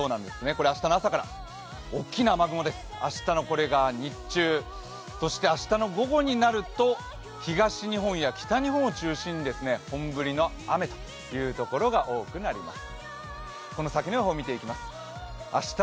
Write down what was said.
これ明日の朝から沖縄も雨雲です、明日のこれが日中、そして明日の午後になると、東日本や北日本を中心に本降りの雨という所が多くなります。